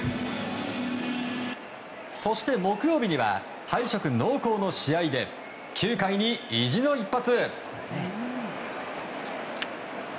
そして、木曜日には敗色濃厚の試合で９回に意地の一発。